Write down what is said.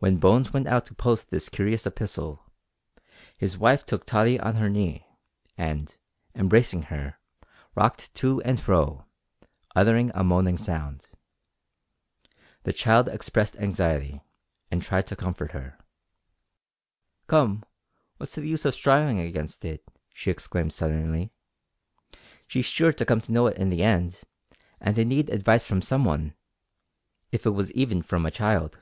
When Bones went out to post this curious epistle, his wife took Tottie on her knee, and, embracing her, rocked to and fro, uttering a moaning sound. The child expressed anxiety, and tried to comfort her. "Come what's the use o' strivin' against it?" she exclaimed suddenly. "She's sure to come to know it in the end, and I need advice from some one if it was even from a child."